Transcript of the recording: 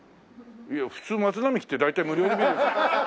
いや普通松並木って大体無料で見る。